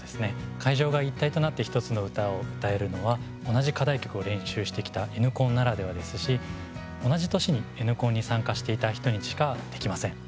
会場が一体となって１つの歌を歌えるのは同じ課題曲を練習してきた「Ｎコン」ならではですし同じ年に「Ｎコン」に参加していた人にしかできません。